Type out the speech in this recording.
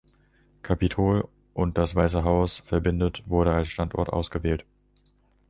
Capitol und das Weiße Haus verbindet, wurde als Standort ausgewählt.